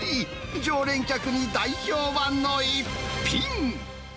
常連客に大評判の逸品。